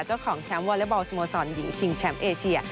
เจ้าของแชมป์วอเล็กบอลสโมสรหญิงชิงแชมป์เอเชีย